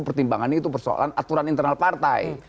pertimbangannya itu persoalan aturan internal partai